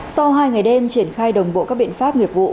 sau hai ngày đêm triển khai đồng bộ các biện pháp nghiệp vụ